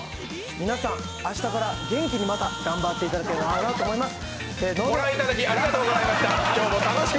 皆さん、明日から元気にまた頑張ってもらいたいと思います。